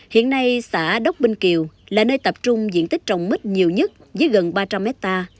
hiện nay xã đốc binh kiều là nơi tập trung diện tích trồng mít nhiều nhất với gần ba trăm linh hectare